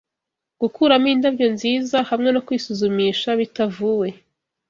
Gukuramo 'indabyo' nziza, Hamwe no kwisuzumisha bitavuwe